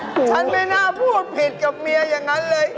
ฉันไม่น่าพูดผิดกับเมียอย่างนั้นเลย